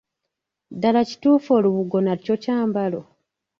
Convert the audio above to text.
Ddala kituufu olubugo nakyo kyambalo?